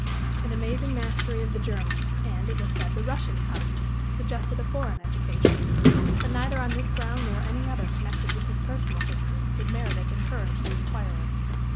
An amazing mastery of the German, and, it was said, the Russian tongues, suggested a foreign education; but neither on this ground nor any other connected with his personal history did Meredith encourage the inquirer.